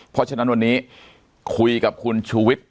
เพราะฉะนั้นวันนี้คุยกับคุณชูวิทย์